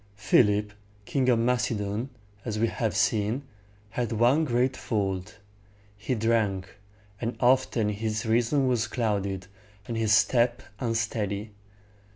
Philip, King of Macedon, as we have seen, had one great fault. He drank; and often his reason was clouded, and his step unsteady.